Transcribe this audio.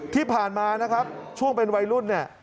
ที่ผ่านมานะครับช่วงเป็นวัยรุ่นเนี่ย